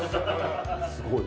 すごい。